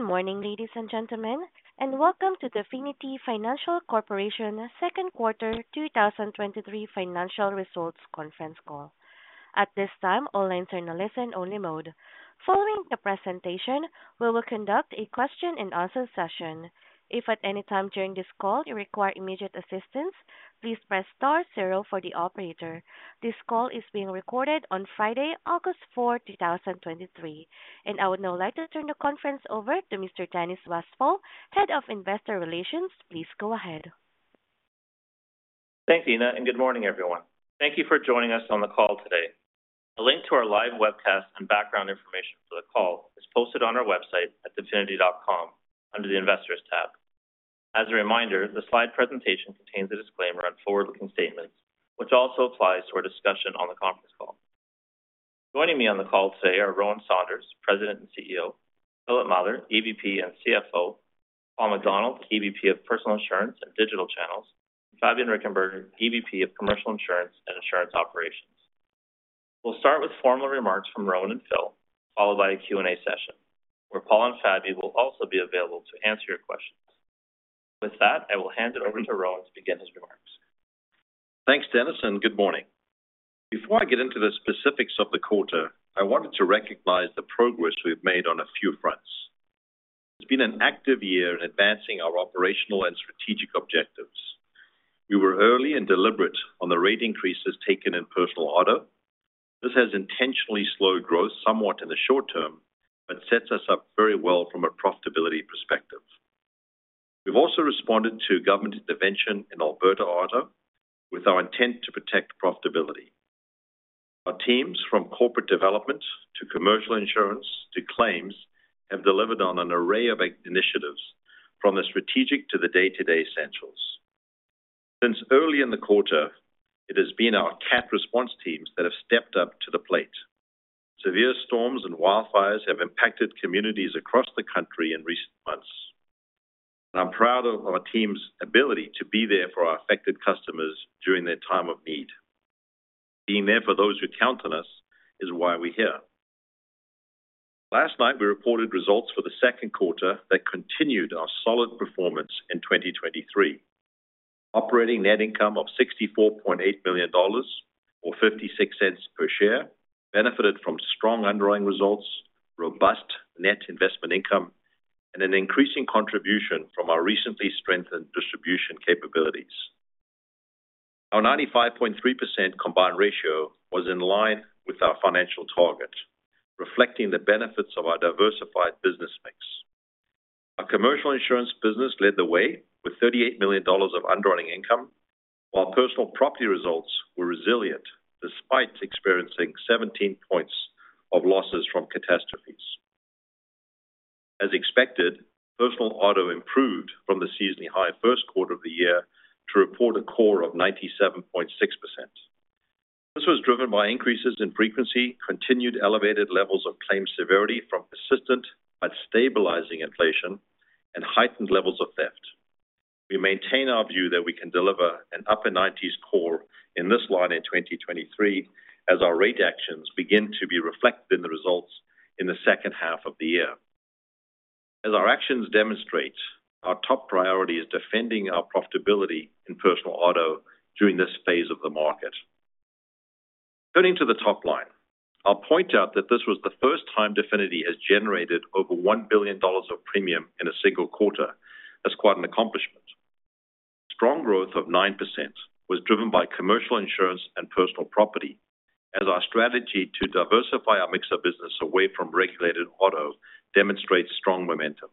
Good morning, ladies and gentlemen, and welcome to Definity Financial Corporation Q2 2023 Financial Results Conference call. At this time, all lines are in a listen-only mode. Following the presentation, we will conduct a question and answer session. If at any time during this call you require immediate assistance, please press star zero for the operator. This call is being recorded on Friday, 4 August 2023, and I would now like to turn the conference over to Mr. Dennis Westfall, Head of Investor Relations. Please go ahead. Thanks, Nina. Good morning, everyone. Thank you for joining us on the call today. A link to our live webcast and background information for the call is posted on our website at definityfinancial.com under the Investors tab. As a reminder, the slide presentation contains a disclaimer on forward-looking statements, which also applies to our discussion on the conference call. Joining me on the call today are Rowan Saunders, President and CEO, Philip Mather, EVP and CFO, Paul McDonald, EVP of Personal Insurance and Digital Channels, Fabian Rickenberger, EVP of Commercial Insurance and Insurance Operations. We'll start with formal remarks from Rowan and Phil, followed by a Q&A session, where Paul and Fabian will also be available to answer your questions. With that, I will hand it over to Rowan to begin his remarks. Thanks, Dennis, and good morning. Before I get into the specifics of the quarter, I wanted to recognize the progress we've made on a few fronts. It's been an active year in advancing our operational and strategic objectives. We were early and deliberate on the rate increases taken in personal auto. This has intentionally slowed growth somewhat in the short term, but sets us up very well from a profitability perspective. We've also responded to government intervention in Alberta Auto with our intent to protect profitability. Our teams, from corporate development to commercial insurance to claims, have delivered on an array of initiatives, from the strategic to the day-to-day essentials. Since early in the quarter, it has been our CAT response teams that have stepped up to the plate. Severe storms and wildfires have impacted communities across the country in recent months, and I'm proud of our team's ability to be there for our affected customers during their time of need. Being there for those who count on us is why we're here. Last night, we reported results for the Q2 that continued our solid performance in 2023. Operating net income of 64.8 million dollars or 0.56 per share, benefited from strong underwriting results, robust net investment income, and an increasing contribution from our recently strengthened distribution capabilities. Our 95.3% combined ratio was in line with our financial target, reflecting the benefits of our diversified business mix. Our commercial insurance business led the way with 38 million dollars of underwriting income, while personal property results were resilient despite experiencing 17 points of losses from catastrophes. As expected, personal auto improved from the seasonally high Q1 of the year to report a core of 97.6%. This was driven by increases in frequency, continued elevated levels of claim severity from persistent but stabilizing inflation, and heightened levels of theft. We maintain our view that we can deliver an upper nineties core in this line in 2023 as our rate actions begin to be reflected in the results in the second half of the year. As our actions demonstrate, our top priority is defending our profitability in personal auto during this phase of the market. Turning to the top line, I'll point out that this was the first time Definity has generated over 1 billion dollars of premium in a single quarter. That's quite an accomplishment. Strong growth of 9% was driven by commercial insurance and personal property, as our strategy to diversify our mix of business away from regulated auto demonstrates strong momentum.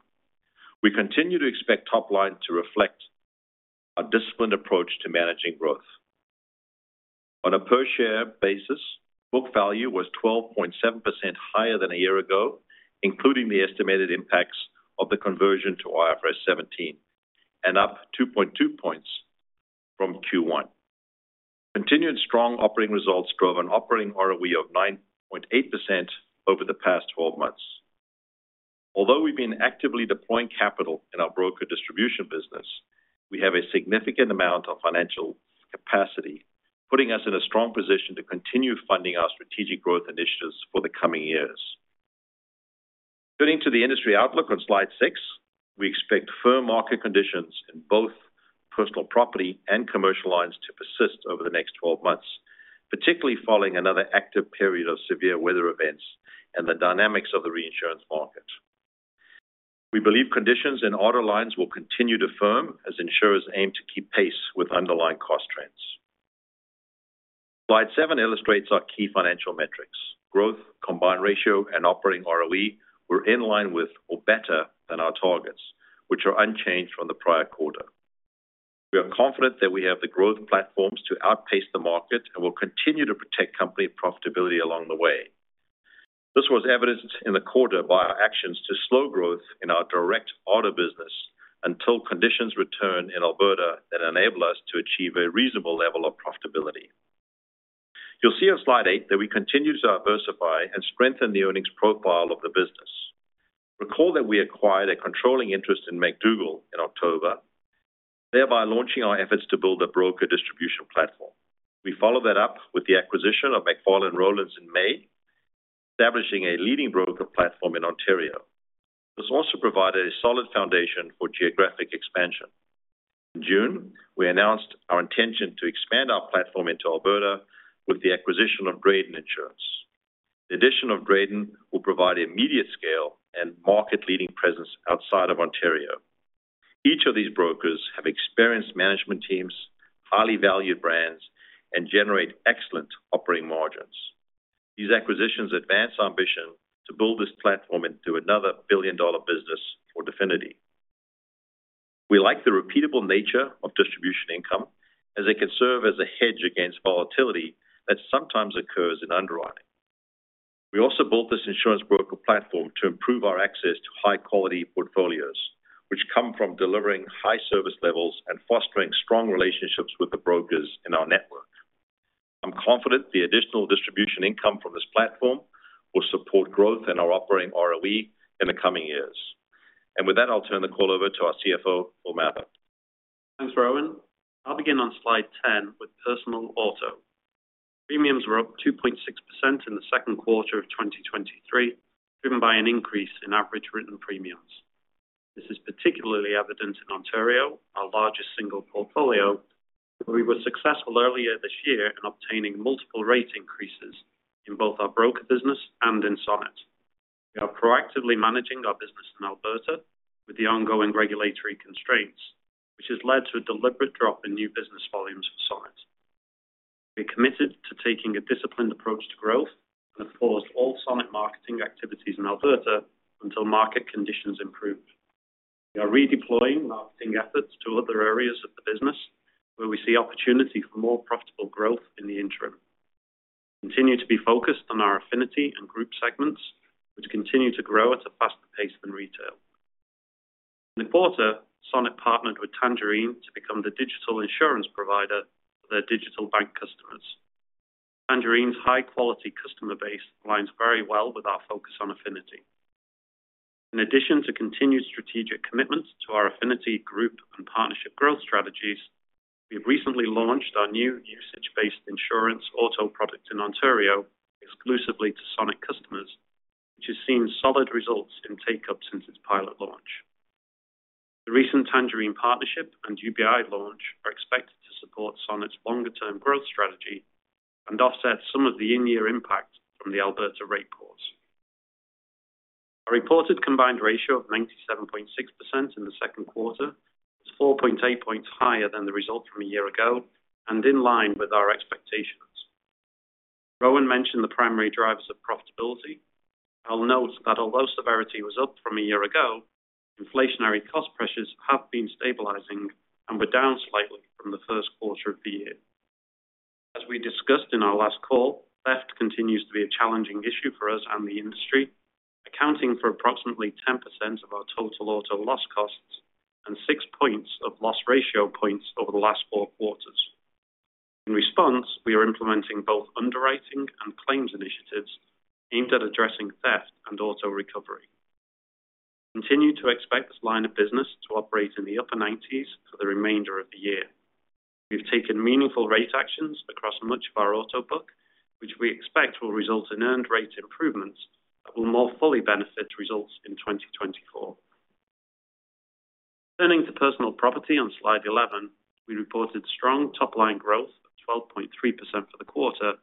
On a per-share basis, book value was 12.7% higher than a year ago, including the estimated impacts of the conversion to IFRS 17, and up 2.2 points from Q1. Continued strong operating results drove an operating ROE of 9.8% over the past 12 months. Although we've been actively deploying capital in our broker distribution business, we have a significant amount of financial capacity, putting us in a strong position to continue funding our strategic growth initiatives for the coming years. Turning to the industry outlook on slide six, we expect firm market conditions in both personal property and commercial lines to persist over the next 12 months, particularly following another active period of severe weather events and the dynamics of the reinsurance market. We believe conditions in auto lines will continue to firm as insurers aim to keep pace with underlying cost trends. Slide seven illustrates our key financial metrics. Growth, combined ratio, and operating ROE were in line with or better than our targets, which are unchanged from the prior quarter. We are confident that we have the growth platforms to outpace the market and will continue to protect company profitability along the way. This was evidenced in the quarter by our actions to slow growth in our direct auto business until conditions return in Alberta that enable us to achieve a reasonable level of profitability. You'll see on slide eight that we continue to diversify and strengthen the earnings profile of the business. Recall that we acquired a controlling interest in McDougall Insurance and Financial, thereby launching our efforts to build a broker distribution platform. We followed that up with the acquisition of McFarlan & Rowlands in May, establishing a leading broker platform in Ontario. This also provided a solid foundation for geographic expansion. In June, we announced our intention to expand our platform into Alberta with the acquisition of Graydon Insurance. The addition of Graydon will provide immediate scale and market-leading presence outside of Ontario. Each of these brokers have experienced management teams, highly valued brands, and generate excellent operating margins. These acquisitions advance our ambition to build this platform into another billion-dollar business for Definity. We like the repeatable nature of distribution income, as it can serve as a hedge against volatility that sometimes occurs in underwriting. We also built this insurance broker platform to improve our access to high-quality portfolios, which come from delivering high service levels and fostering strong relationships with the brokers in our network. I'm confident the additional distribution income from this platform will support growth in our operating ROE in the coming years. With that, I'll turn the call over to our CFO, Phil Mather. Thanks, Rowan. I'll begin on slide 10 with personal auto. Premiums were up 2.6% in the Q2 of 2023, driven by an increase in average written premiums. This is particularly evident in Ontario, our largest single portfolio, where we were successful earlier this year in obtaining multiple rate increases in both our broker business and in Sonnet. We are proactively managing our business in Alberta with the ongoing regulatory constraints, which has led to a deliberate drop in new business volumes for Sonnet. We're committed to taking a disciplined approach to growth and have paused all Sonnet marketing activities in Alberta until market conditions improve. We are redeploying marketing efforts to other areas of the business where we see opportunity for more profitable growth in the interim. We continue to be focused on our affinity and group segments, which continue to grow at a faster pace than retail. In the quarter, Sonnet partnered with Tangerine to become the digital insurance provider for their digital bank customers. Tangerine's high-quality customer base aligns very well with our focus on affinity. In addition to continued strategic commitments to our affinity group and partnership growth strategies, we've recently launched our new usage-based insurance auto product in Ontario exclusively to Sonnet customers, which has seen solid results in take-up since its pilot launch. The recent Tangerine partnership and UBI launch are expected to support Sonnet's longer-term growth strategy and offset some of the in-year impact from the Alberta rate pause. Our reported combined ratio of 97.6% in the Q2 is 4.8 points higher than the result from a year ago and in line with our expectations. Rowan mentioned the primary drivers of profitability. I'll note that although severity was up from a year ago, inflationary cost pressures have been stabilizing and were down slightly from the Q1 of the year. As we discussed in our last call, theft continues to be a challenging issue for us and the industry, accounting for approximately 10% of our total auto loss costs and six points of loss ratio points over the last four quarters. In response, we are implementing both underwriting and claims initiatives aimed at addressing theft and auto recovery. We continue to expect this line of business to operate in the upper 90s for the remainder of the year. We've taken meaningful rate actions across much of our auto book, which we expect will result in earned rate improvements that will more fully benefit results in 2024. Turning to personal property on slide 11, we reported strong top-line growth of 12.3% for the quarter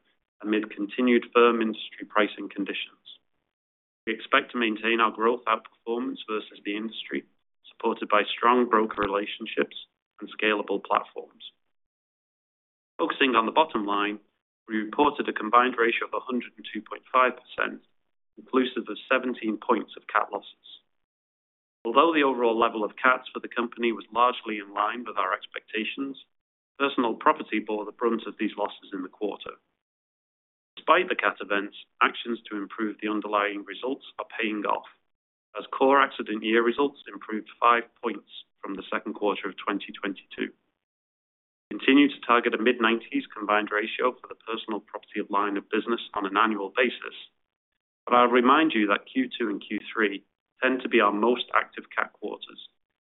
amid continued firm industry pricing conditions. We expect to maintain our growth outperformance versus the industry, supported by strong broker relationships and scalable platforms. Focusing on the bottom line, we reported a combined ratio of 102.5%, inclusive of 17 points of CAT losses. Although the overall level of CATs for the company was largely in line with our expectations, personal property bore the brunt of these losses in the quarter. Despite the CAT events, actions to improve the underlying results are paying off, as core accident year results improved 5 points from the 2Q 2022. We continue to target a mid-90s combined ratio for the personal property line of business on an annual basis. I'll remind you that Q2 and Q3 tend to be our most active CAT quarters,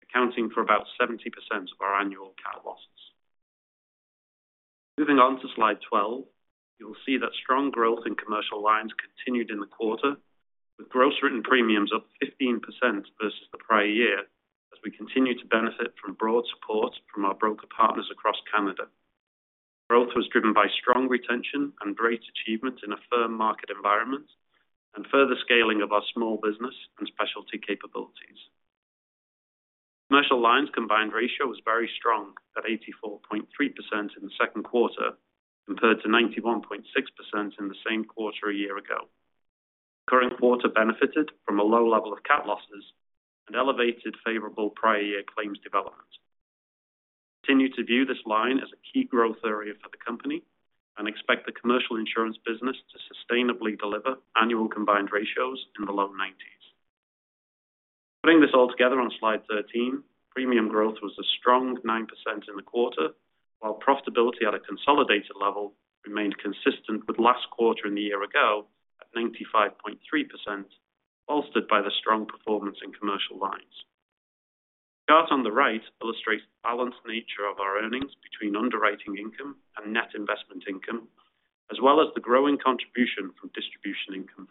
accounting for about 70% of our annual CAT losses. Moving on to slide 12, you'll see that strong growth in commercial lines continued in the quarter, with gross written premiums up 15% versus the prior year, as we continue to benefit from broad support from our broker partners across Canada. Growth was driven by strong retention and great achievement in a firm market environment and further scaling of our small business and specialty capabilities. Commercial lines combined ratio was very strong at 84.3% in the Q2, compared to 91.6% in the same quarter a year ago. The current quarter benefited from a low level of CAT losses and elevated favorable prior year claims development. We continue to view this line as a key growth area for the company and expect the Commercial Insurance business to sustainably deliver annual combined ratios in the low nineties. Putting this all together on Slide 13, premium growth was a strong 9% in the quarter, while profitability at a consolidated level remained consistent with last quarter and the year ago at 95.3%. Bolstered by the strong performance in commercial lines. The chart on the right illustrates the balanced nature of our earnings between underwriting income and net investment income, as well as the growing contribution from distribution income.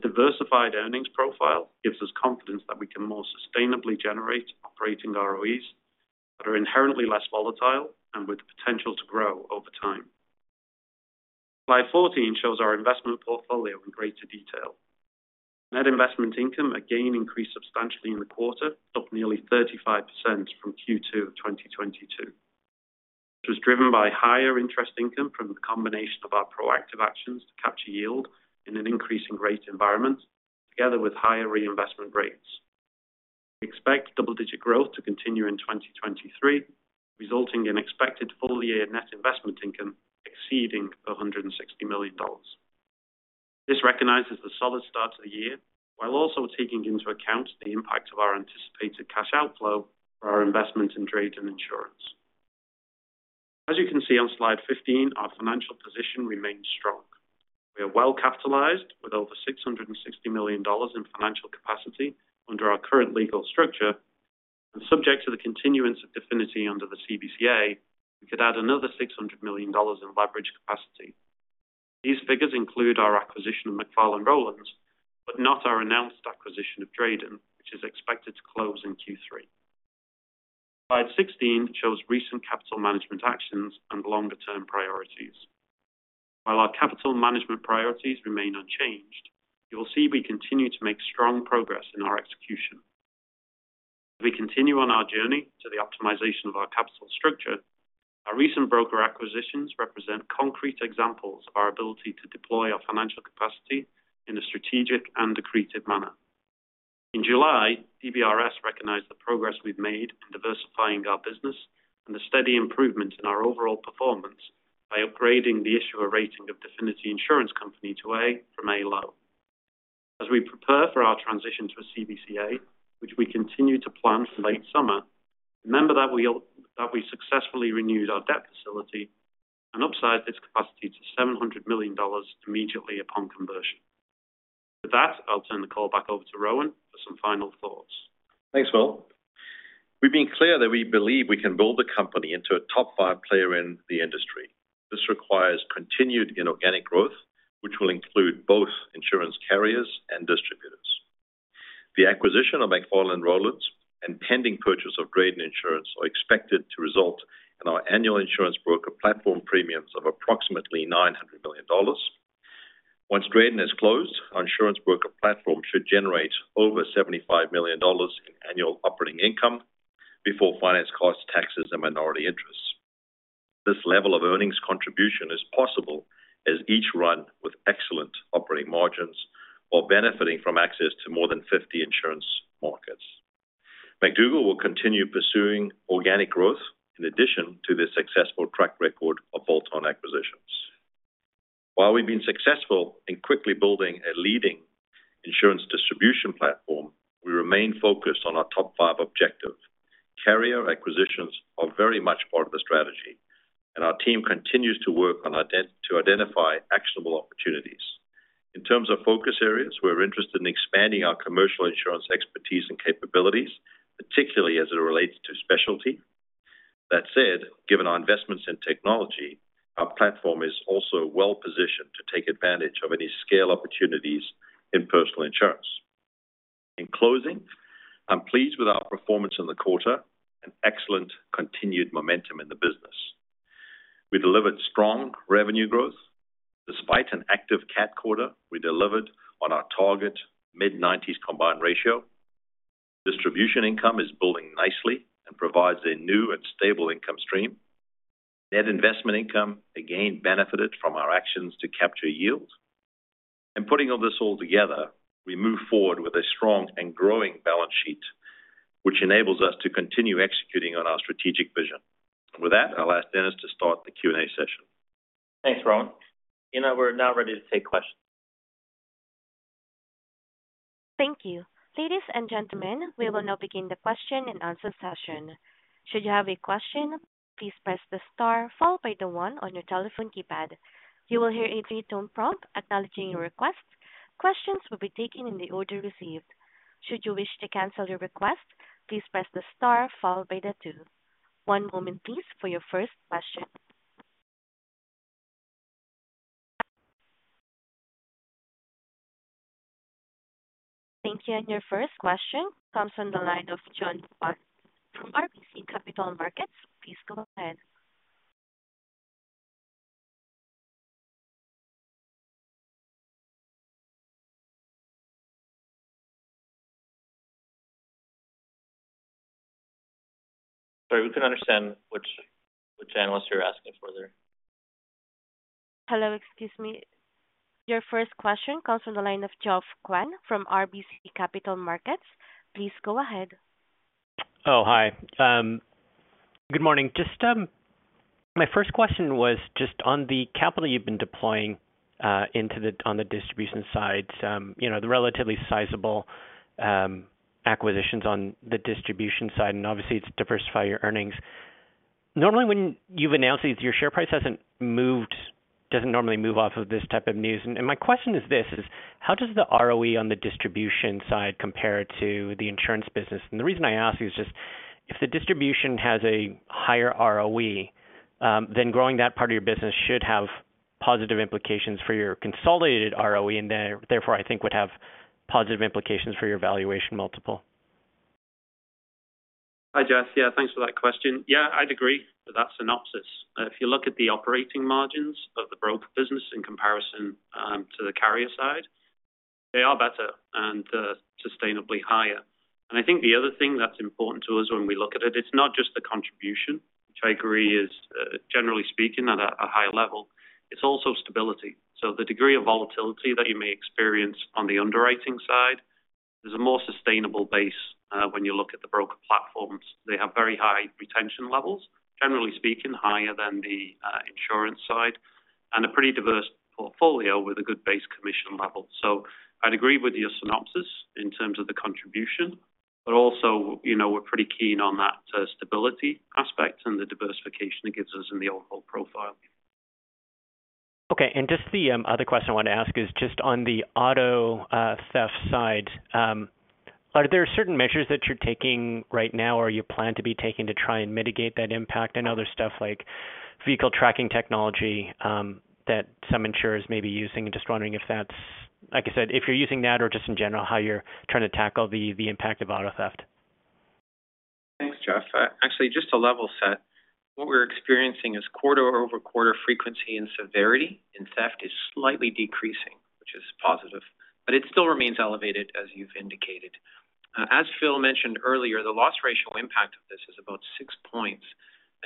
Diversified earnings profile gives us confidence that we can more sustainably generate operating ROEs that are inherently less volatile and with the potential to grow over time. Slide 14 shows our investment portfolio in greater detail. Net investment income again increased substantially in the quarter, up nearly 35% from Q2 of 2022. It was driven by higher interest income from the combination of our proactive actions to capture yield in an increasing rate environment, together with higher reinvestment rates. We expect double-digit growth to continue in 2023, resulting in expected full-year net investment income exceeding 160 million dollars. This recognizes the solid start to the year, while also taking into account the impact of our anticipated cash outflow for our investment in Graydon Insurance. As you can see on slide 15, our financial position remains strong. We are well capitalized with over 660 million dollars in financial capacity under our current legal structure, and subject to the continuance of Definity under the CBCA, we could add another 600 million dollars in leverage capacity. These figures include our acquisition of McFarlan Rowlands, but not our announced acquisition of Drayton, which is expected to close in Q3. Slide 16 shows recent capital management actions and longer-term priorities. While our capital management priorities remain unchanged, you will see we continue to make strong progress in our execution. We continue on our journey to the optimization of our capital structure. Our recent broker acquisitions represent concrete examples of our ability to deploy our financial capacity in a strategic and accretive manner. In July, DBRS recognized the progress we've made in diversifying our business and the steady improvement in our overall performance by upgrading the issuer rating of Definity Insurance Company to A from A low. As we prepare for our transition to a CBCA, which we continue to plan for late summer, remember that we successfully renewed our debt facility and upside this capacity to 700 million dollars immediately upon conversion. With that, I'll turn the call back over to Rowan for some final thoughts. Thanks, Will. We've been clear that we believe we can build the company into a top five player in the industry. This requires continued inorganic growth, which will include both insurance carriers and distributors. The acquisition of McFarlan Rowlands and pending purchase of Drayden Insurance are expected to result in our annual insurance broker platform premiums of approximately 900 million dollars. Once Drayton has closed, our insurance broker platform should generate over 75 million dollars in annual operating income before finance costs, taxes, and minority interests. This level of earnings contribution is possible as each run with excellent operating margins while benefiting from access to more than 50 insurance markets. McDougall will continue pursuing organic growth in addition to the successful track record of bolt-on acquisitions. While we've been successful in quickly building a leading insurance distribution platform, we remain focused on our top five objective. Carrier acquisitions are very much part of the strategy, and our team continues to work to identify actionable opportunities. In terms of focus areas, we're interested in expanding our commercial insurance expertise and capabilities, particularly as it relates to specialty. That said, given our investments in technology, our platform is also well-positioned to take advantage of any scale opportunities in personal insurance. In closing, I'm pleased with our performance in the quarter and excellent continued momentum in the business. We delivered strong revenue growth. Despite an active CAT quarter, we delivered on our target mid-90s combined ratio. Distribution income is building nicely and provides a new and stable income stream. Net investment income again benefited from our actions to capture yield. Putting all this all together, we move forward with a strong and growing balance sheet, which enables us to continue executing on our strategic vision. With that, I'll ask Dennis to start the Q&A session. Thanks, Rowan. You know, we're now ready to take questions. Thank you. Ladies and gentlemen, we will now begin the question-and-answer session. Should you have a question, please press the star followed by the one on your telephone keypad. You will hear a three-tone prompt acknowledging your request. Questions will be taken in the order received. Should you wish to cancel your request, please press the star followed by the two. One moment, please, for your first question. Thank you, and your first question comes from the line of John Quan from RBC Capital Markets. Please go ahead. Sorry, we can understand which, which analyst you're asking for there. Hello, excuse me. Your first question comes from the line of John Quan from RBC Capital Markets. Please go ahead. Oh, hi. Good morning. Just, my first question was just on the capital you've been deploying, into the on the distribution side, you know, the relatively sizable, acquisitions on the distribution side, and obviously, to diversify your earnings. Normally, when you've announced these, your share price hasn't moved, doesn't normally move off of this type of news. My question is this, is how does the ROE on the distribution side compare to the insurance business? The reason I ask is just if the distribution has a higher ROE, then growing that part of your business should have positive implications for your consolidated ROE, and therefore, I think, would have positive implications for your valuation multiple. Hi, Jeff. Yeah, thanks for that question. Yeah, I'd agree with that synopsis. If you look at the operating margins of the broker business in comparison, to the carrier side, they are better and sustainably higher. I think the other thing that's important to us when we look at it, it's not just the contribution, which I agree is, generally speaking, at a high level, it's also stability. The degree of volatility that you may experience on the underwriting side is a more sustainable base when you look at the broker platforms. They have very high retention levels, generally speaking, higher than the insurance side, and a pretty diverse portfolio with a good base commission level. I'd agree with your synopsis in terms of the contribution, but also, you know, we're pretty keen on that, stability aspect and the diversification it gives us in the overall profile. Okay. Just the other question I wanted to ask is just on the auto theft side, are there certain measures that you're taking right now or you plan to be taking to try and mitigate that impact? I know there's stuff like vehicle tracking technology, that some insurers may be using. Just wondering if that's, like I said, if you're using that or just in general, how you're trying to tackle the impact of auto theft. Thanks, Jeff. Actually, just to level set, what we're experiencing is quarter-over-quarter frequency and severity, and theft is slightly decreasing, which is positive, but it still remains elevated, as you've indicated. As Phil mentioned earlier, the loss ratio impact of this is about six points.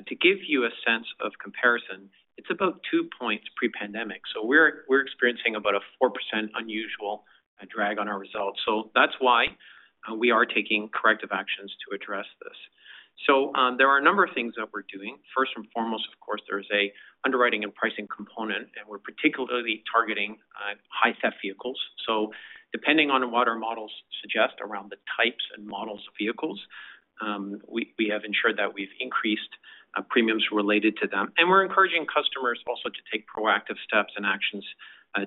To give you a sense of comparison, it's about two points pre-pandemic. We're, we're experiencing about a 4% unusual drag on our results. That's why we are taking corrective actions to address this. There are a number of things that we're doing. First and foremost, of course, there is a underwriting and pricing component, and we're particularly targeting high theft vehicles. Depending on what our models suggest around the types and models of vehicles, we, we have ensured that we've increased premiums related to them. We're encouraging customers also to take proactive steps and actions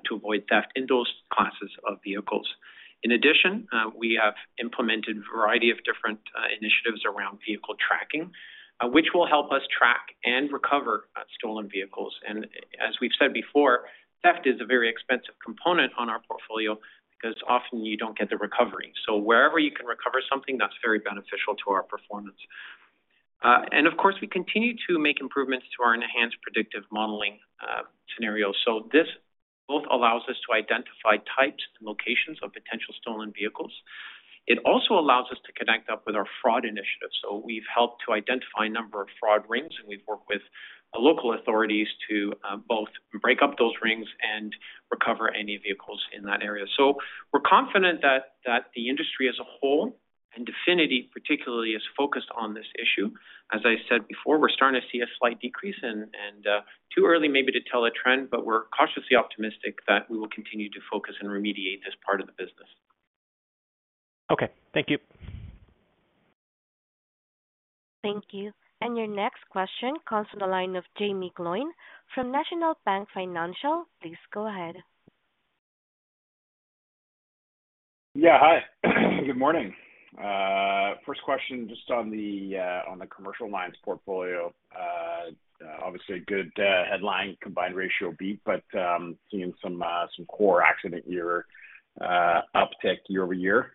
to avoid theft in those classes of vehicles. In addition, we have implemented a variety of different initiatives around vehicle tracking, which will help us track and recover stolen vehicles. As we've said before, theft is a very expensive component on our portfolio because often you don't get the recovery. Wherever you can recover something, that's very beneficial to our performance. Of course, we continue to make improvements to our enhanced predictive modeling scenario. This both allows us to identify types and locations of potential stolen vehicles. It also allows us to connect up with our fraud initiatives. We've helped to identify a number of fraud rings, and we've worked with local authorities to both break up those rings and recover any vehicles in that area. We're confident that, that the industry as a whole, and Definity, particularly, is focused on this issue. As I said before, we're starting to see a slight decrease and, and, too early maybe to tell a trend, but we're cautiously optimistic that we will continue to focus and remediate this part of the business. Okay, thank you. Thank you. Your next question comes from the line of Jaeme Gloyn from National Bank Financial. Please go ahead. Hey. Good morning. First question, just on the commercial lines portfolio. Obviously a good headline combined ratio beat, but seeing some core accident year uptick year-over-year.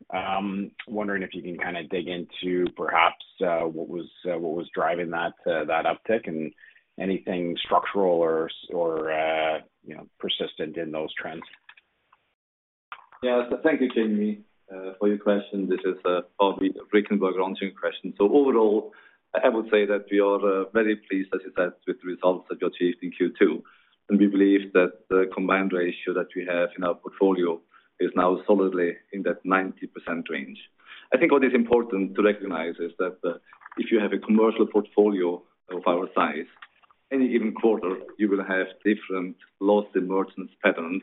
Wondering if you can kind dig into perhaps what was driving that uptick and anything structural or or, you know, persistent in those trends? Yeah. Thank you, Jamie, for your question. This is Fabian Rickenberger answering your question. Overall, I would say that we are very pleased, as you said, with the results that you achieved in Q2, and we believe that the combined ratio that we have in our portfolio is now solidly in that 90% range. I think what is important to recognize is that, if you have a commercial portfolio of our size, any given quarter, you will have different loss emergence patterns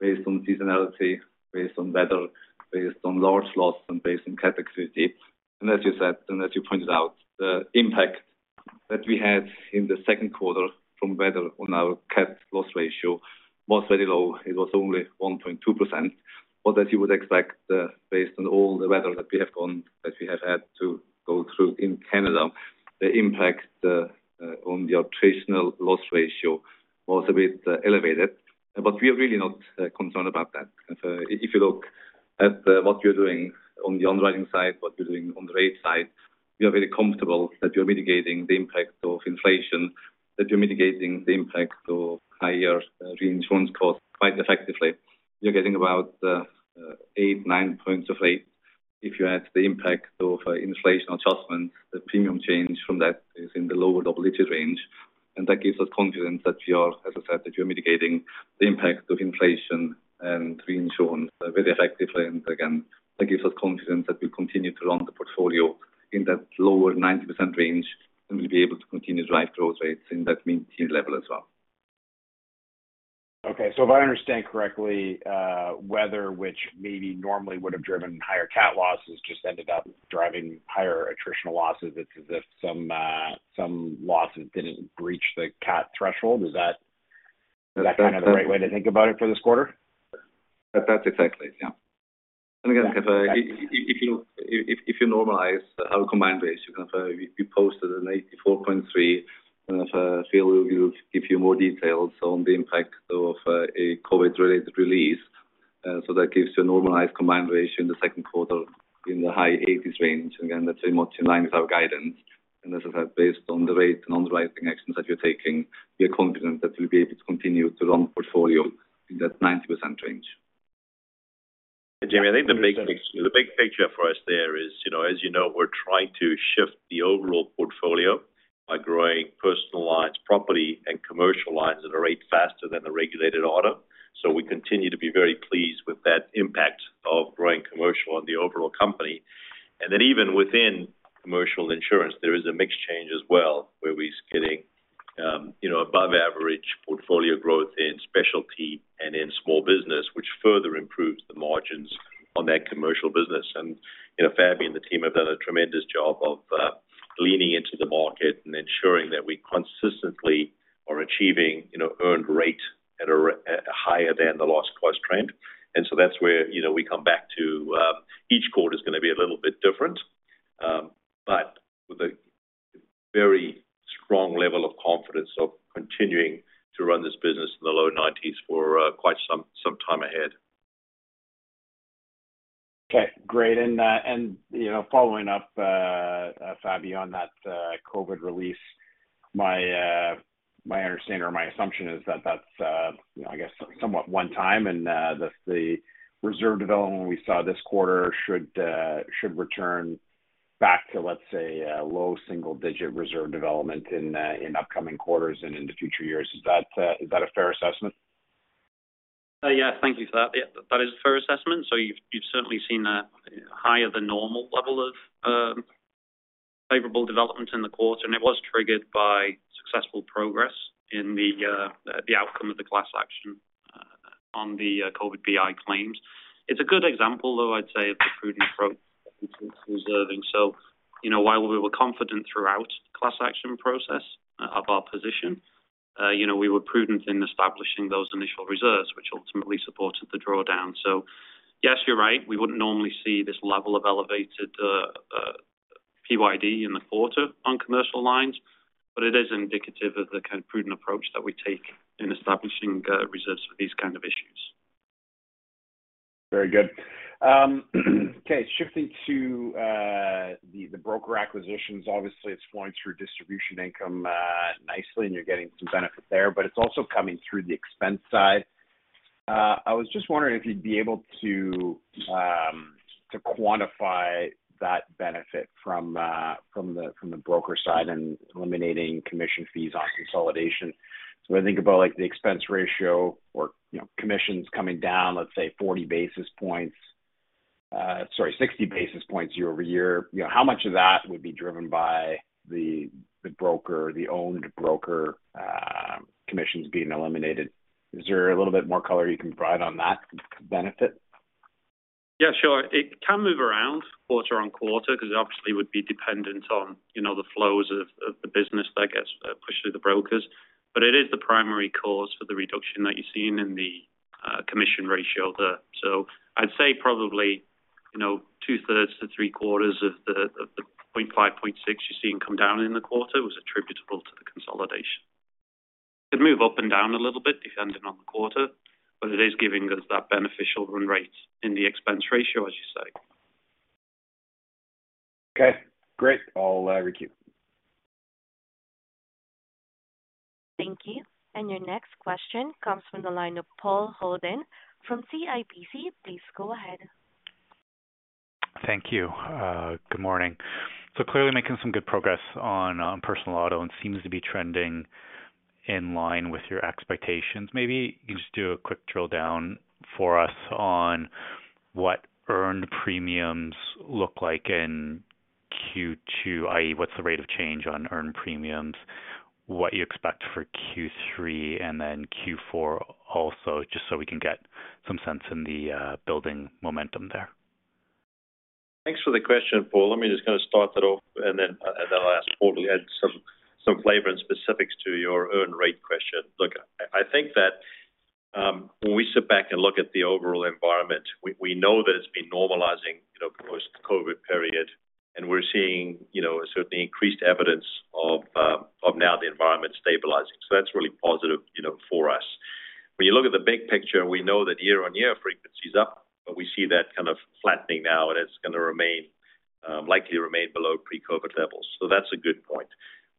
based on seasonality, based on weather, based on large loss, and based on CAT activity. As you said, and as you pointed out, the impact that we had in the Q2 from weather on our CAT loss ratio was very low. It was only 1.2%, but as you would expect, based on all the weather that we have had to go through in Canada, the impact on the operational loss ratio was a bit elevated, but we are really not concerned about that. If you look at what you're doing on the underwriting side, what you're doing on the rate side, we are very comfortable that you're mitigating the impact of inflation, that you're mitigating the impact of higher reinsurance costs quite effectively. You're getting about eight, nine points of rate. If you add the impact of inflation adjustment, the premium change from that is in the lower double-digit range, and that gives us confidence that you are, as I said, that you're mitigating the impact of inflation and reinsurance very effectively. Again, that gives us confidence that we continue to run the portfolio in that lower 90% range, and we'll be able to continue to drive growth rates in that maintain level as well. Okay, if I understand correctly, whether which maybe normally would have driven higher CAT losses just ended up driving higher attritional losses. It's as if some, some losses didn't breach the CAT threshold. Is that, is that kind of the right way to think about it for this quarter? That's exactly it, yeah. Again, if you normalize our combined ratio, you posted an 84.3. Phil will give you more details on the impact of a COVID-related release. That gives you a normalized combined ratio in the Q2 in the high 80s range. Again, that's very much in line with our guidance. This is based on the rate and underwriting actions that you're taking, we are confident that we'll be able to continue to run portfolio in that 90% range. Jaime, I think the big picture, the big picture for us there is, you know, as you know, we're trying to shift the overall portfolio by growing personal lines, property, and commercial lines at a rate faster than the regulated auto. We continue to be very pleased with that impact of growing commercial on the overall company. Even within commercial insurance, there is a mix change as well, where we're getting, you know, above average portfolio growth in specialty and in small business, which further improves the margins on that commercial business. Fabian and the team have done a tremendous job of leaning into the market and ensuring that we consistently are achieving, you know, earned rate at a higher than the loss cost trend. That's where, you know, we come back to, each quarter is going to be a little bit different, but with a very strong level of confidence of continuing to run this business in the low nineties for, quite some time ahead. Okay, great. You know, following up, Fabian, on that COVID release, my understanding or my assumption is that that's, I guess, somewhat one-time, and the reserve development we saw this quarter should return back to, let's say, a low single-digit reserve development in upcoming quarters and in the future years. Is that a fair assessment? Thank you for that. Yeah, that is a fair assessment. You've, you've certainly seen a higher than normal level of favorable development in the quarter, and it was triggered by successful progress in the outcome of the class action on the COVID BI claims. It's a good example, though, I'd say, of the prudent approach reserving. You know, while we were confident throughout class action process of our position, you know, we were prudent in establishing those initial reserves, which ultimately supported the drawdown. Yes, you're right. We wouldn't normally see this level of elevated PYD in the quarter on commercial lines, but it is indicative of the kind of prudent approach that we take in establishing reserves for these kind of issues. Very good. Okay, shifting to the broker acquisitions. Obviously, it's flowing through distribution income nicely, and you're getting some benefit there, but it's also coming through the expense side. I was just wondering if you'd be able to quantify that benefit from the broker side and eliminating commission fees on consolidation. I think about, like, the expense ratio or, you know, commissions coming down, let's say 40 basis points, sorry, 60 basis points year-over-year. You know, how much of that would be driven by the broker, the owned broker, commissions being eliminated? Is there a little bit more color you can provide on that benefit? Yeah, sure. It can move around quarter on quarter because it obviously would be dependent on, you know, the flows of, of the business that gets pushed through the brokers. It is the primary cause for the reduction that you're seeing in the commission ratio there. I'd say probably, you know, two-thirds to three-quarters of the, of the 0.5, 0.6 you're seeing come down in the quarter was attributable to the consolidation. It move up and down a little bit, depending on the quarter, but it is giving us that beneficial run rate in the expense ratio, as you say. Okay, great. I'll recue. Thank you. Your next question comes from the line of Paul Holden from CIBC. Please go ahead. Thank you. Clearly making some good progress on, personal auto and seems to be trending in line with your expectations. Maybe you just do a quick drill down for us on what earned premiums look like in Q2, i.e., what's the rate of change on earned premiums, what you expect for Q3 and then Q4 also, just so we can get some sense in the, building momentum there? Thanks for the question, Paul. Let me just kind of start that off, and then, and then I'll ask Paul to add some, some flavor and specifics to your earned rate question. Look, I think that, when we sit back and look at the overall environment, we, we know that it's been normalizing, you know, post-COVID period, and we're seeing, you know, certainly increased evidence of, of now the environment stabilizing. That's really positive, you know, for us. When you look at the big picture, we know that year-on-year frequency is up, but we see that kind of flattening now, and it's going to remain, likely remain below pre-COVID levels. That's a good point.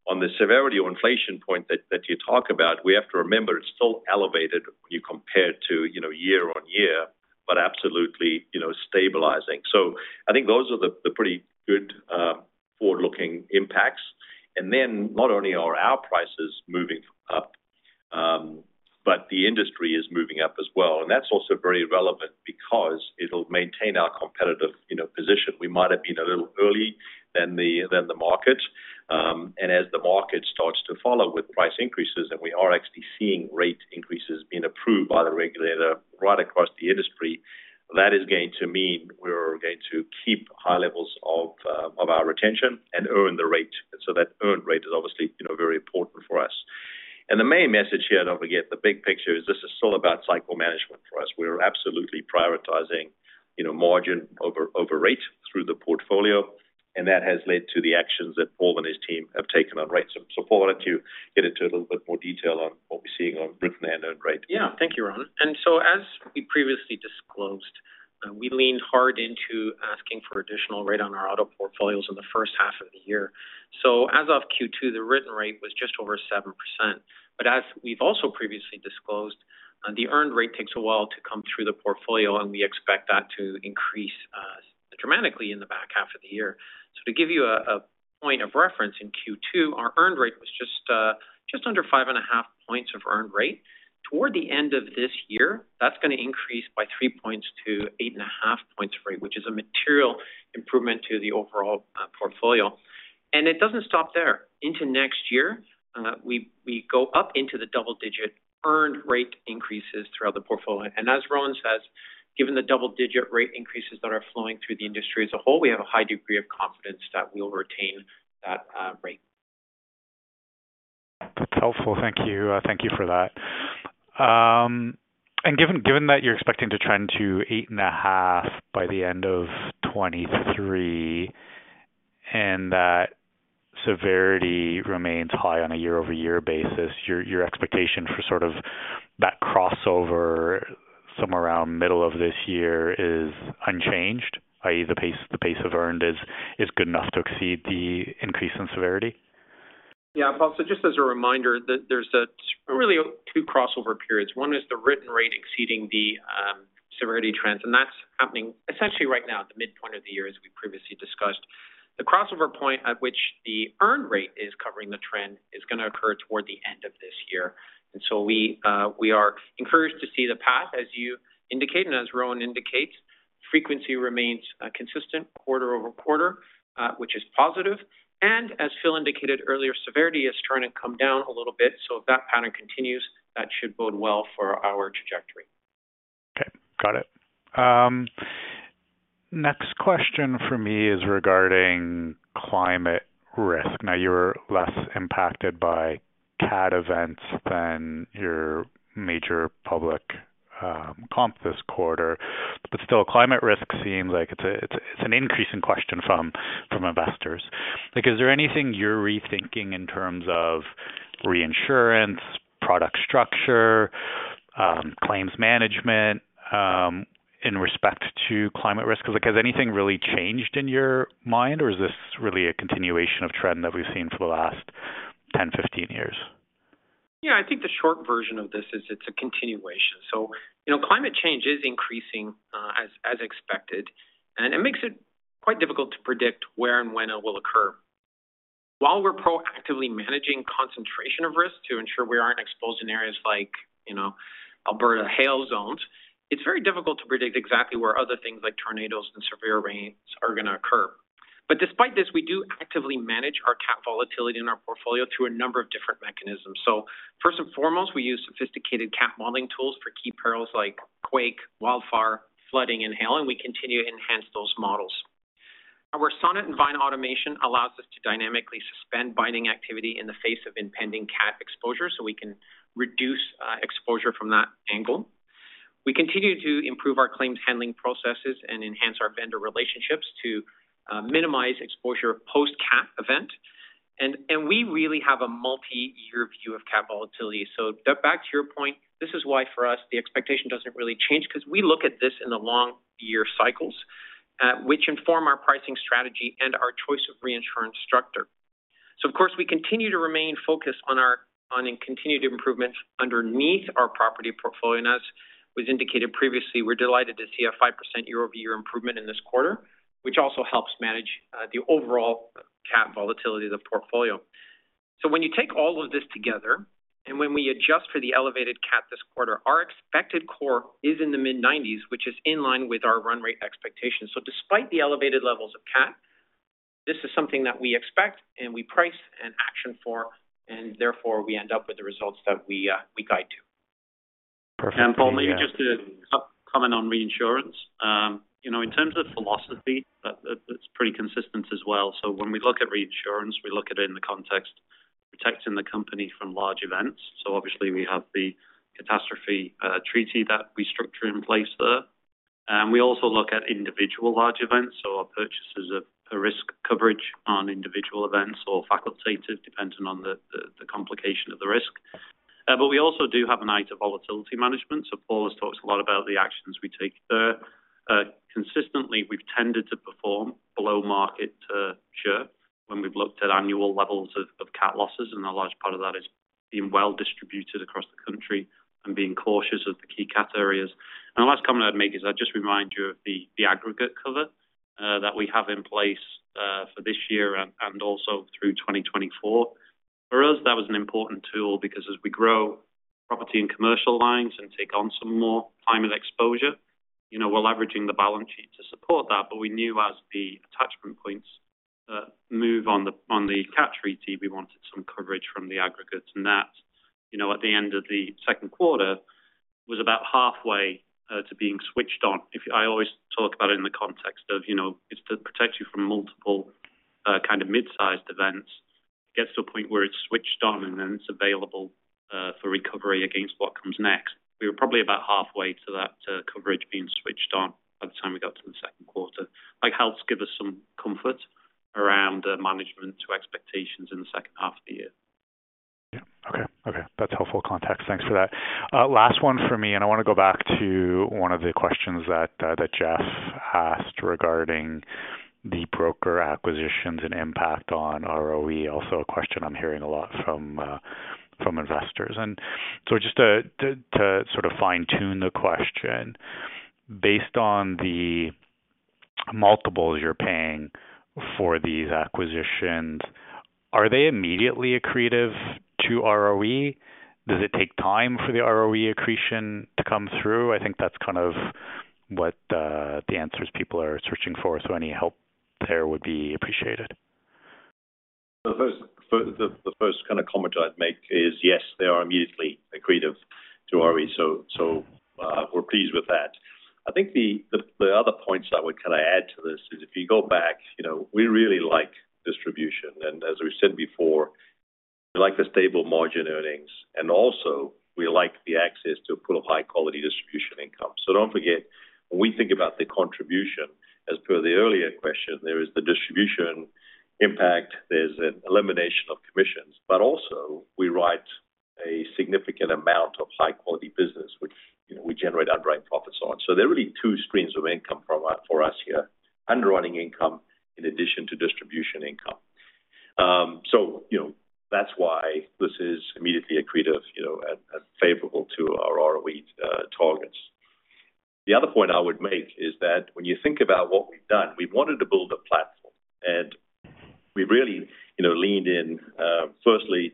On the severity or inflation point that, that you talk about, we have to remember it's still elevated when you compare it to, you know, year-on-year, but absolutely, you know, stabilizing. I think those are the, the pretty good forward-looking impacts. Then not only are our prices moving up, but the industry is moving up as well. That's also very relevant because it'll maintain our competitive, you know, position. We might have been a little early than the, than the market. As the market starts to follow with price increases, and we are actually seeing rate increases being approved by the regulator right across the industry, that is going to mean we're going to keep high levels of our retention and earn the rate. That earned rate is obviously, you know, very important for us. The main message here, don't forget, the big picture is this is still about cycle management for us. We are absolutely prioritizing, you know, margin over, over rate through the portfolio, and that has led to the actions that Paul and his team have taken on rates. Paul, why don't you get into a little bit more detail on what we're seeing on written and earned rate? Yeah, thank you, Rowan. As we previously disclosed, we leaned hard into asking for additional rate on our auto portfolios in the first half of the year. As of Q2, the written rate was just over 7%. As we've also previously disclosed, the earned rate takes a while to come through the portfolio, and we expect that to increase dramatically in the back half of the year. To give you a point of reference, in Q2, our earned rate was just under 5.5 points of earned rate. Toward the end of this year, that's going to increase by three points to 8.5 points of rate, which is a material improvement to the overall portfolio. It doesn't stop there. Into next year, we, we go up into the double-digit earned rate increases throughout the portfolio. As Rowan says, given the double-digit rate increases that are flowing through the industry as a whole, we have a high degree of confidence that we'll retain that rate. That's helpful. Thank you. Thank you for that. Given, given that you're expecting to trend to 8.5 by the end of 2023, and that severity remains high on a year-over-year basis, your, your expectation for sort of that crossover somewhere around middle of this year is unchanged, i.e., the pace, the pace of earned is, is good enough to exceed the increase in severity? Yeah, Paul, just as a reminder, that there's a really two crossover periods. One is the written rate exceeding the severity trends, and that's happening essentially right now at the midpoint of the year, as we previously discussed. The crossover point at which the earned rate is covering the trend is going to occur toward the end of this year. We, we are encouraged to see the path, as you indicate, and as Rowan indicates, frequency remains consistent quarter-over-quarter, which is positive. As Phil indicated earlier, severity is starting to come down a little bit. If that pattern continues, that should bode well for our trajectory. Okay, got it. next question for me is regarding climate risk. You were less impacted by CAT events than your major public, comp this quarter, still, climate risk seems like it's a, it's an increasing question from, from investors. Like, is there anything you're rethinking in terms of reinsurance, product structure, claims management, in respect to climate risk? Has anything really changed in your mind, or is this really a continuation of trend that we've seen for the last 10, 15 years? Yeah, I think the short version of this is it's a continuation. You know, climate change is increasing as expected, and it makes it quite difficult to predict where and when it will occur. While we're proactively managing concentration of risk to ensure we aren't exposed in areas like, you know, Alberta hail zones, it's very difficult to predict exactly where other things like tornadoes and severe rains are going to occur. Despite this, we do actively manage our CAT volatility in our portfolio through a number of different mechanisms. First and foremost, we use sophisticated CAT modeling tools for key perils like quake, wildfire, flooding and hail, and we continue to enhance those models. Our Sonnet and Vyne automation allows us to dynamically suspend binding activity in the face of impending CAT exposure, so we can reduce exposure from that angle. We continue to improve our claims handling processes and enhance our vendor relationships to minimize exposure post-CAT event. We really have a multi-year view of CAT volatility. Back to your point, this is why, for us, the expectation doesn't really change, because we look at this in the long year cycles, which inform our pricing strategy and our choice of reinsurance structure. Of course, we continue to remain focused on our on continued improvements underneath our property portfolio. As was indicated previously, we're delighted to see a 5% year-over-year improvement in this quarter, which also helps manage the overall CAT volatility of the portfolio. When you take all of this together, and when we adjust for the elevated CAT this quarter, our expected core is in the mid-90s, which is in line with our run rate expectations. Despite the elevated levels of CAT, this is something that we expect and we price and action for, and therefore, we end up with the results that we guide to. Paul, maybe just to comment on reinsurance. you know, in terms of philosophy, it's pretty consistent as well. When we look at reinsurance, we look at it in the context, protecting the company from large events. Obviously, we have the catastrophe treaty that we structure in place there. We also look at individual large events, our purchases of a risk coverage on individual events or facultative, depending on the complication of the risk. We also do have an eye to volatility management. Paul has talked a lot about the actions we take there. Consistently, we've tended to perform below market share when we've looked at annual levels of cat losses, and a large part of that is being well distributed across the country and being cautious of the key cat areas. The last comment I'd make is I'd just remind you of the, the aggregate cover that we have in place for this year and, and also through 2024. For us, that was an important tool because as we grow. Property and commercial lines and take on some more climate exposure. You know, we're leveraging the balance sheet to support that, but we knew as the attachment points move on the, on the CAT, we wanted some coverage from the aggregates. That, you know, at the end of the Q2, was about halfway to being switched on. If I always talk about it in the context of, you know, it's to protect you from multiple kind of mid-sized events, gets to a point where it's switched on, and then it's available for recovery against what comes next. We were probably about halfway to that coverage being switched on by the time we got to the Q2. Like, helps give us some comfort around management to expectations in the second half of the year. That's helpful context. Thanks for that. Last one for me, and I want to go back to one of the questions that Jeff asked regarding the broker acquisitions and impact on ROE. Also, a question I'm hearing a lot from from investors. Just to sort of fine-tune the question: based on the multiples you're paying for these acquisitions, are they immediately accretive to ROE? Does it take time for the ROE accretion to come through? I think that's kind of what the answers people are searching for. Any help there would be appreciated. The first, the first kind of comment I'd make is, yes, they are immediately accretive to ROE, we're pleased with that. I think the other points I would kind of add to this is if you go back, you know, we really like distribution. As we said before, we like the stable margin earnings, and also we like the access to a pool of high-quality distribution income. Don't forget, when we think about the contribution as per the earlier question, there is the distribution impact, there's an elimination of commissions, but also we write a significant amount of high-quality business, which, you know, we generate underwriting profits on. There are really two streams of income from that for us here, underwriting income in addition to distribution income. You know, that's why this is immediately accretive, you know, and, and favorable to our ROE targets. The other point I would make is that when you think about what we've done, we wanted to build a platform, and we really, you know, leaned in, firstly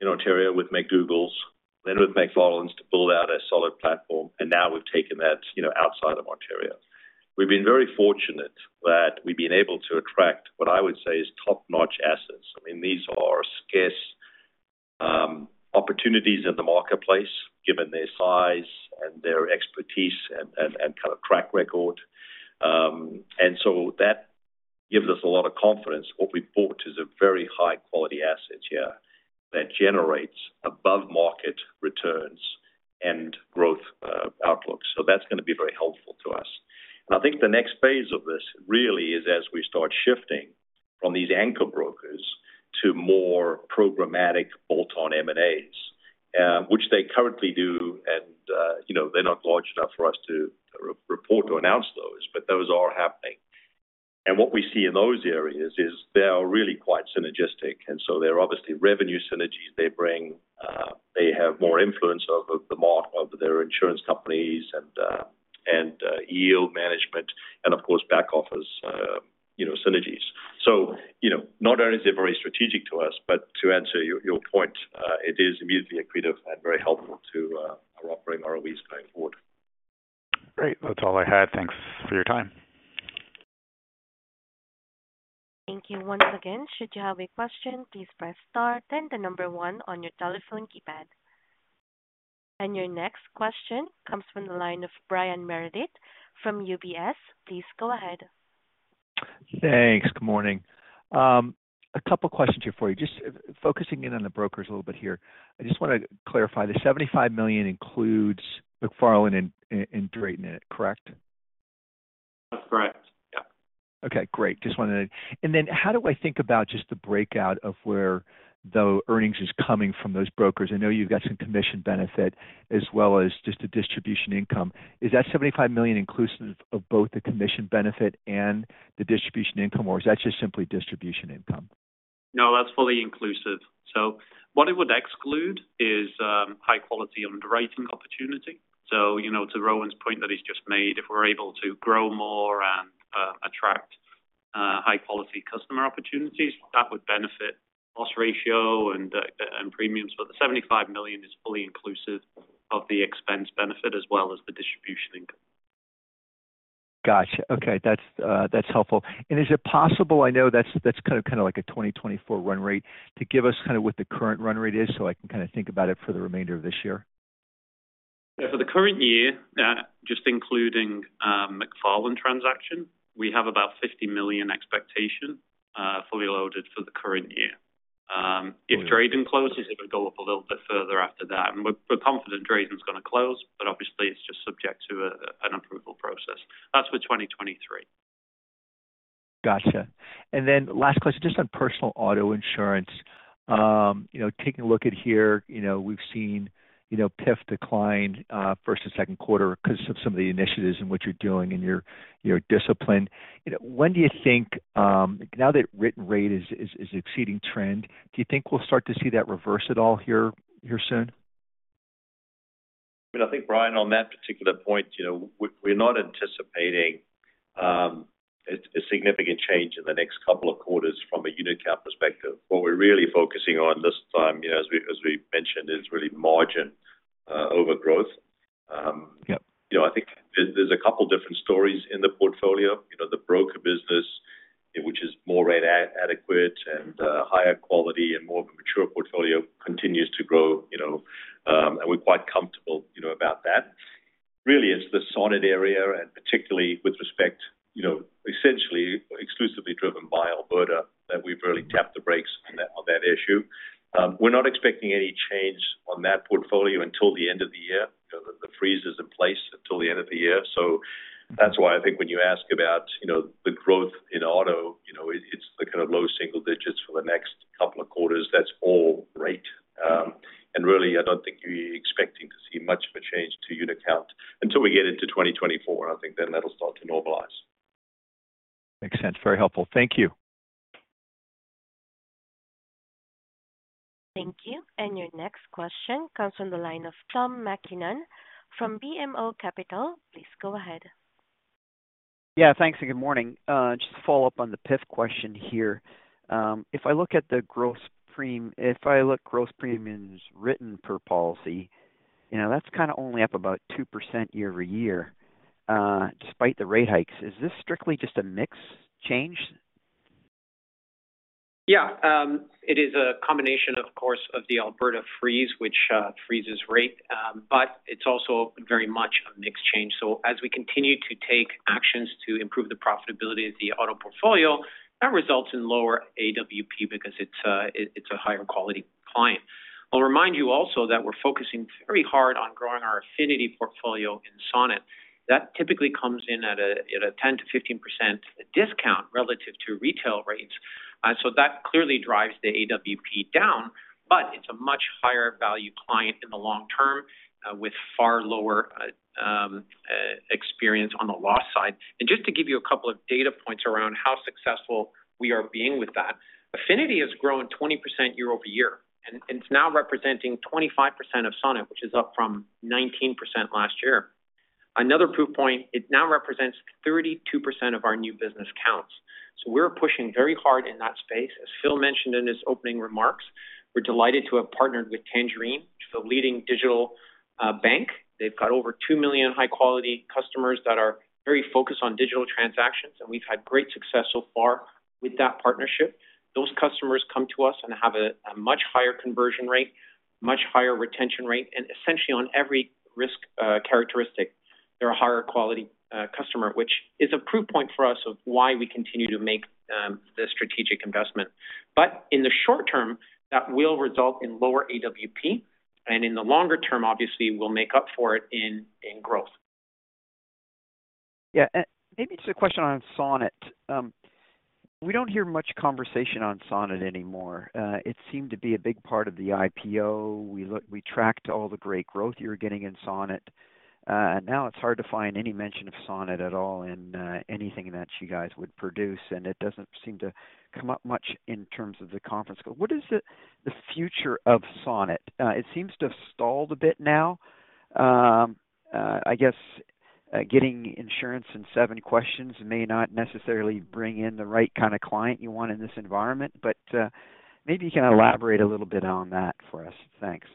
in Ontario with MacDougall's, then with McFarlan's to build out a solid platform, and now we've taken that, you know, outside of Ontario. We've been very fortunate that we've been able to attract what I would say is top-notch assets. I mean, these are scarce opportunities in the marketplace, given their size and their expertise and, and, and kind of track record. That gives us a lot of confidence. What we've bought is a very high-quality assets here that generates above market returns and growth outlooks. That's gonna be very helpful to us. I think the next phase of this really is as we start shifting from these anchor brokers to more programmatic bolt-on M&As, which they currently do, and, you know, they're not large enough for us to report or announce those, but those are happening. What we see in those areas is they are really quite synergistic, and so they're obviously revenue synergies they bring. They have more influence over the mark of their insurance companies and, and, yield management and of course, back office, you know, synergies. You know, not only are they very strategic to us, but to answer your, your point, it is immediately accretive and very helpful to our operating ROEs going forward. Great. That's all I had. Thanks for your time. Thank you once again. Should you have a question, please press Star, then the number one on your telephone keypad. Your next question comes from the line of Brian Meredith from UBS. Please go ahead. Thanks. Good morning. A couple questions here for you. Just focusing in on the brokers a little bit here. I just want to clarify, the 75 million includes McFarlan and Drayden in it, correct? That's correct. Yep. Okay, great. Just wanted to. How do I think about just the breakout of where the earnings is coming from those brokers? I know you've got some commission benefit as well as just a distribution income. Is that 75 million inclusive of both the commission benefit and the distribution income, or is that just simply distribution income? No, that's fully inclusive. What it would exclude is high quality underwriting opportunity. You know, to Rowan's point that he's just made, if we're able to grow more and attract high-quality customer opportunities, that would benefit loss ratio and premiums. The 75 million is fully inclusive of the expense benefit as well as the distribution income. Gotcha. Okay, that's, that's helpful. Is it possible, I know that's, that's kind of, kind of like a 2024 run rate, to give us kind of what the current run rate is so I can kind of think about it for the remainder of this year? For the current year, just including McFarlan transaction, we have about 50 million expectation, fully loaded for the current year. If Drayden closes, it would go up a little bit further after that. We're, we're confident Drayden's gonna close, but obviously, it's just subject to an approval process. That's for 2023. Gotcha. Last question, just on personal auto insurance. You know, taking a look at here, you know, we've seen, you know, PIF decline, first and Q2 because of some of the initiatives and what you're doing and your, your discipline. You know, when do you think, now that written rate is exceeding trend, do you think we'll start to see that reverse at all here, here soon? I think, Brian, on that particular point, you know, we're not anticipating, a significant change in the next couple of quarters from a unit count perspective. What we're really focusing on this time, you know, as we, as we've mentioned, is really margin, overgrowth. Yeah. You know, I think there's, there's a couple different stories in the portfolio. You know, the broker business, which is more rate adequate and higher quality and more of a mature portfolio, continues to grow, you know, and we're quite comfortable, you know, about that. Really, it's the Sonnet area, and particularly with respect, you know, essentially exclusively driven by Alberta, that we've really tapped the brakes on that, on that issue. We're not expecting any change on that portfolio until the end of the year. You know, the freeze is in place until the end of the year. That's why I think when you ask about, you know, the growth in auto, you know, it's the kind of low single digits for the next 2 quarters. That's all rate. Really, I don't think you're expecting to see much of a change to unit count until we get into 2024. I think then that'll start to normalize. Makes sense. Very helpful. Thank you. Thank you. Your next question comes from the line of Tom McKinnon from BMO Capital. Please go ahead. Yeah, thanks and good morning. Just to follow up on the PIF question here. If I look gross premiums written per policy, you know, that's kind of only up about 2% year-over-year despite the rate hikes. Is this strictly just a mix change? Yeah, it is a combination, of course, of the Alberta freeze, which, freezes rate, but it's also very much a mix change. As we continue to take actions to improve the profitability of the auto portfolio, that results in lower AWP because it's a, it's a higher quality client. I'll remind you also that we're focusing very hard on growing our affinity portfolio in Sonnet. Typically comes in at a 10%-15% discount relative to retail rates. That clearly drives the AWP down, but it's a much higher value client in the long term, with far lower, experience on the loss side. Just to give you a couple of data points around how successful we are being with that, Definity has grown 20% year-over-year, and it's now representing 25% of Sonnet, which is up from 19% last year. Another proof point, it now represents 32% of our new business counts. We're pushing very hard in that space. As Phil mentioned in his opening remarks, we're delighted to have partnered with Tangerine, which is a leading digital bank. They've got over 2 million high-quality customers that are very focused on digital transactions, and we've had great success so far with that partnership. Those customers come to us and have a, a much higher conversion rate, much higher retention rate, and essentially on every risk characteristic, they're a higher quality customer, which is a proof point for us of why we continue to make the strategic investment. In the short term, that will result in lower AWP, and in the longer term, obviously, we'll make up for it in, in growth. Yeah, and maybe just a question on Sonnet. We don't hear much conversation on Sonnet anymore. It seemed to be a big part of the IPO. We tracked all the great growth you were getting in Sonnet, and now it's hard to find any mention of Sonnet at all in anything that you guys would produce, and it doesn't seem to come up much in terms of the conference call. What is the future of Sonnet? It seems to have stalled a bit now. I guess, getting insurance and seven questions may not necessarily bring in the right kind of client you want in this environment, but maybe you can elaborate a little bit on that for us. Thanks.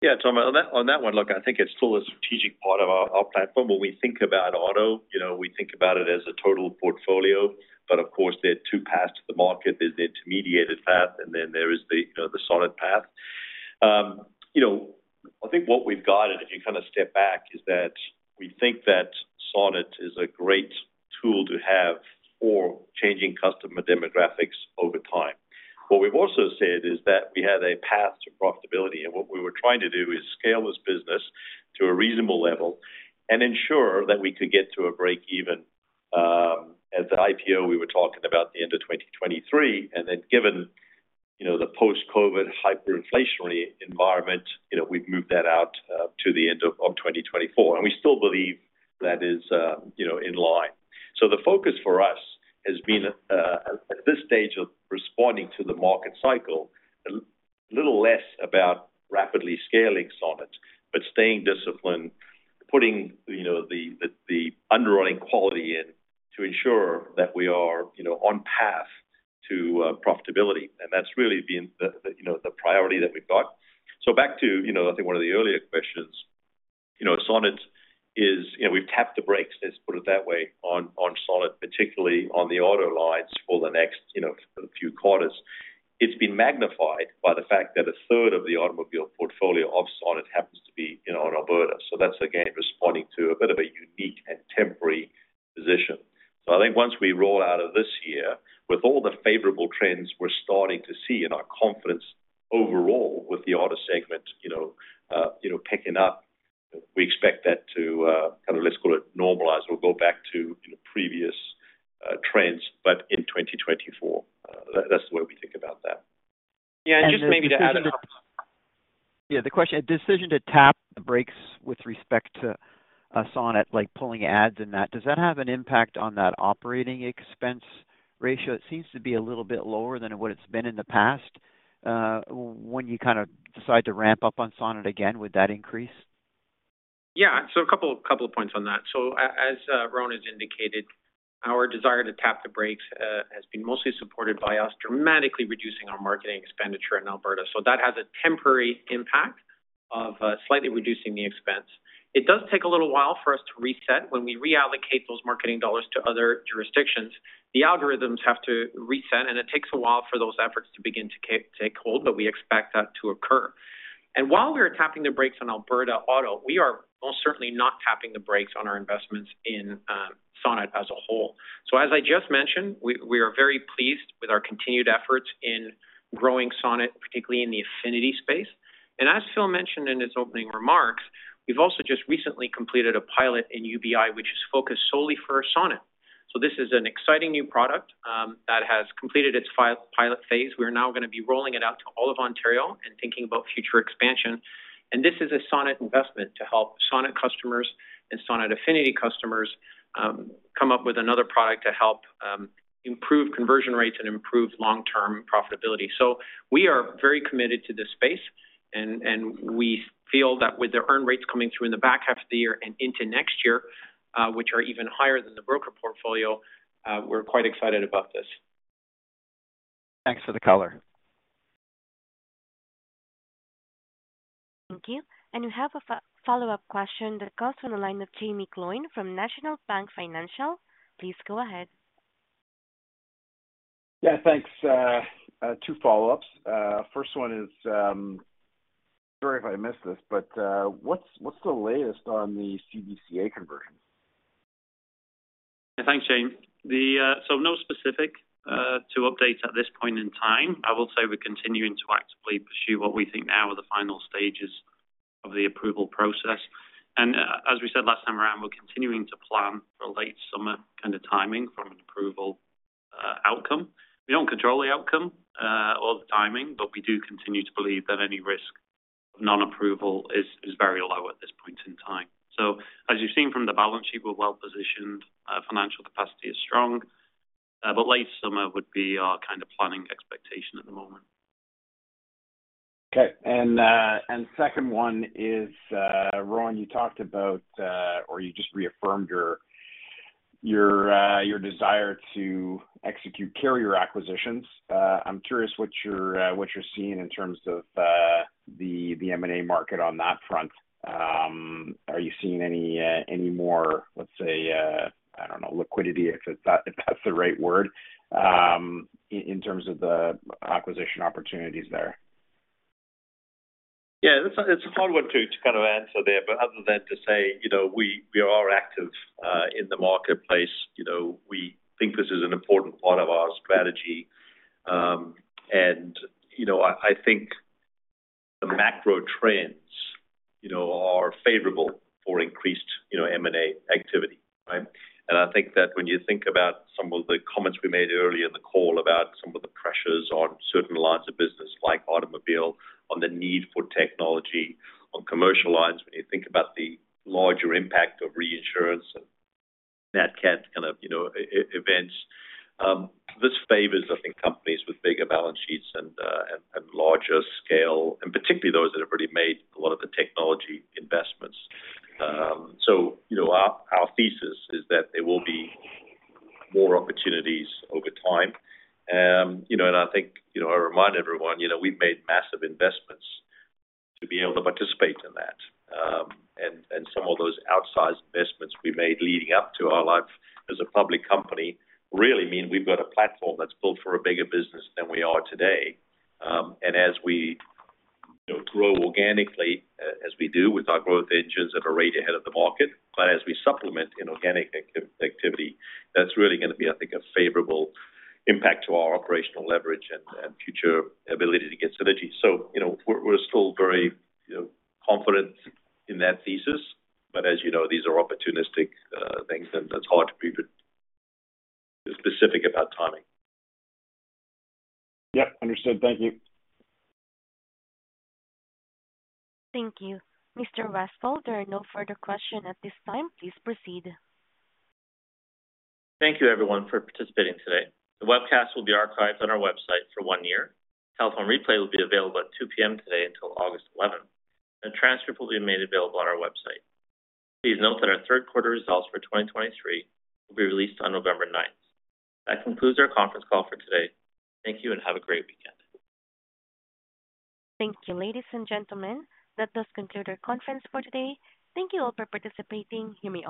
Yeah, Tom, on that, on that one, look, I think it's still a strategic part of our, our platform. When we think about auto, you know, we think about it as a total portfolio, but of course, there are two paths to the market. There's the intermediated path, and then there is the, you know, the Sonnet path. You know, I think what we've got, and if you kind of step back, is that we think that Sonnet is a great tool to have for changing customer demographics over time. What we've also said is that we have a path to profitability, and what we were trying to do is scale this business to a reasonable level and ensure that we could get to a break even. At the IPO, we were talking about the end of 2023. Given, you know, the post-COVID hyperinflationary environment, you know, we've moved that out to the end of 2024. We still believe that is, you know, in line. The focus for us has been at this stage of responding to the market cycle, a little less about rapidly scaling Sonnet, but staying disciplined, putting, you know, the, the, the underwriting quality in to ensure that we are, you know, on path to profitability. That's really been the, the, you know, the priority that we've got. Back to, you know, I think 1 of the earlier questions. You know, Sonnet is. You know, we've tapped the brakes, let's put it that way, on, on Sonnet, particularly on the auto lines for the next, you know, few quarters. It's been magnified by the fact that a third of the automobile portfolio of Sonnet happens to be, you know, in Alberta. That's, again, responding to a bit of a unique and temporary position. I think once we roll out of this year, with all the favorable trends we're starting to see and our confidence overall with the auto segment, you know, you know, picking up, we expect that to, kind of, let's call it, normalize or go back to, you know, previous trends, but in 2024. That's the way we think about that. Yeah, the question, a decision to tap the brakes with respect to Sonnet, like pulling ads and that, does that have an impact on that operating expense ratio? It seems to be a little bit lower than what it's been in the past. When you kind of decide to ramp up on Sonnet again, would that increase? Yeah, a couple, couple of points on that. As Rowan has indicated, our desire to tap the brakes has been mostly supported by us dramatically reducing our marketing expenditure in Alberta. That has a temporary impact of slightly reducing the expense. It does take a little while for us to reset when we reallocate those marketing dollars to other jurisdictions. The algorithms have to reset, and it takes a while for those efforts to begin to take hold, but we expect that to occur. While we are tapping the brakes on Alberta Auto, we are most certainly not tapping the brakes on our investments in Sonnet as a whole. As I just mentioned, we, we are very pleased with our continued efforts in growing Sonnet, particularly in the affinity space. As Phil mentioned in his opening remarks, we've also just recently completed a pilot in UBI, which is focused solely for Sonnet. This is an exciting new product that has completed its pilot phase. We are now gonna be rolling it out to all of Ontario and thinking about future expansion. This is a Sonnet investment to help Sonnet customers and Sonnet affinity customers come up with another product to help improve conversion rates and improve long-term profitability. We are very committed to this space, and we feel that with the earn rates coming through in the back half of the year and into next year, which are even higher than the broker portfolio, we're quite excited about this. Thanks for the color. Thank you. You have a follow-up question that comes from the line of Jaime Gloyn from National Bank Financial. Please go ahead. Yeah, thanks. 2 follow-ups. first one is, sorry if I missed this, but, what's, what's the latest on the CBCA conversion? Thanks, Shane. The, so no specific to update at this point in time. I will say we're continuing to actively pursue what we think now are the final stages of the approval process. As we said last time around, we're continuing to plan for a late summer kind of timing from an approval outcome. We don't control the outcome or the timing, but we do continue to believe that any risk of non-approval is, is very low at this point in time. As you've seen from the balance sheet, we're well positioned. Our financial capacity is strong, but late summer would be our kind of planning expectation at the moment. Okay. Second one is, Rowan, you talked about or you just reaffirmed your desire to execute carrier acquisitions. I'm curious what you're what you're seeing in terms of the M&A market on that front. Are you seeing any any more, let's say, I don't know, liquidity, if that, if that's the right word, in terms of the acquisition opportunities there? Yeah, it's a, it's a hard one to, to kind of answer there, but other than to say, you know, we, we are active in the marketplace, you know, we think this is an important part of our strategy. You know, I, I think the macro trends, you know, are favorable for increased, you know, M&A activity, right? I think that when you think about some of the comments we made earlier in the call about some of the pressures on certain lines of business, like automobile, on the need for technology, on commercial lines, when you think about the larger impact of reinsurance and that kind of, you know, events, this favors, I think, companies with bigger balance sheets and, and, and larger scale, and particularly those that have already made a lot of the technology investments. You know, our, our thesis is that there will be more opportunities over time. You know, I think, you know, I remind everyone, you know, we've made massive investments to be able to participate in that. And some of those outsized investments we made leading up to our life as a public company, really mean we've got a platform that's built for a bigger business than we are today. As we, you know, grow organically, as we do with our growth engines at a rate ahead of the market, but as we supplement inorganic activity, that's really gonna be, I think, a favorable impact to our operational leverage and, and future ability to get synergy. You know, we're, we're still very, you know, confident in that thesis, but as you know, these are opportunistic things, and that's hard to be specific about timing. Yep, understood. Thank you. Thank you. Mr. Westfall, there are no further question at this time. Please proceed. Thank you, everyone, for participating today. The webcast will be archived on our website for one year. Telephone replay will be available at 2:00PM today until 11 August. Transcript will be made available on our website. Please note that our Q3 results for 2023 will be released on 9 November. That concludes our conference call for today. Thank you. Have a great weekend. Thank you, ladies and gentlemen. That does conclude our conference for today. Thank you all for participating. You may all disconnect.